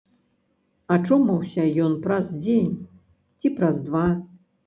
Ачомаўся ён праз дзень ці праз два.